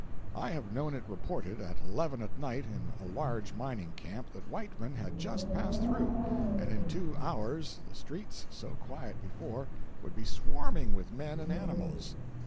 I have known it reported at eleven at night, in a large mining camp, that Whiteman had just passed through, and in two hours the streets, so quiet before, would be swarming with men and animals.